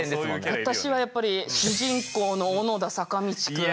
私はやっぱり主人公の小野田坂道くん。